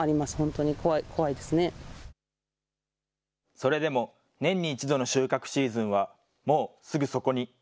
それでも年に一度の収穫シーズンはもう、すぐそこに。